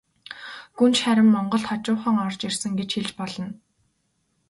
Гүнж харин монголд хожуухан орж ирсэн гэж хэлж болно.